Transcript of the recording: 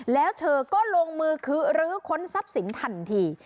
แล้วเธอก็ลงมือคือลื้อค้นทรัพย์สินทันที